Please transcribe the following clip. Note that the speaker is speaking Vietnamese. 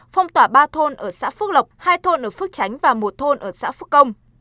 phong tỏa ba thôn ở xã phước lộc hai thôn ở phước chánh và một thôn ở xã phước công